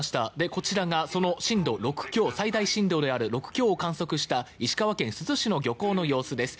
こちらがその震度６強最大震度である６強を観測した石川県珠洲市の漁港の様子です。